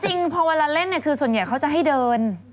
จริงพอเวลาเล่นเนี่ยคือส่วนใหญ่เขาจะให้เดิน